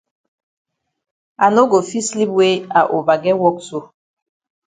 I no go fit sleep wey I ova get wok so.